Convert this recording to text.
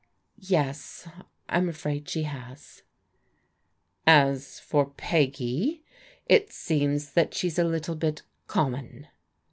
"Tes, I'm afraid she has." " As for Peggy, it seems that she's a little bit common.